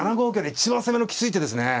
一番攻めのきつい手ですね。